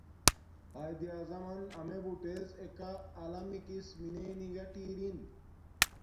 قایداعظمن امیے بوٹیڎ ایک علمی کس مینے نی گاٹی ارین